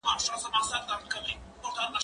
کتابونه د زده کوونکي له خوا ليکل کيږي؟!